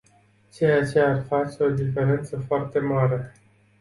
Ceea ce ar face o diferență foarte mare.